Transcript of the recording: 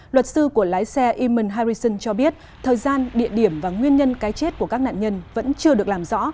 luật sư của lái xe eamon harrison cho biết thời gian địa điểm và nguyên nhân cái chết của các nạn nhân vẫn chưa được làm rõ